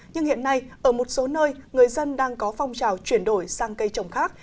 nhưng hiện nay ở một số nơi người dân đang có phong trào chuyển đổi sang cây trồng khác